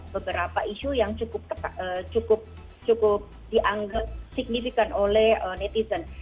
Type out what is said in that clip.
beberapa isu yang cukup dianggap signifikan oleh netizen